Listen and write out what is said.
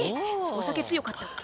お酒強かったっけ？